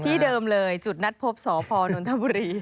ที่เดิมเลยจุดนัดพบสพนนทบุรี